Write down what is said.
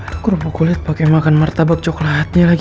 aduh kerupuk kulit pake makan martabak coklatnya lagi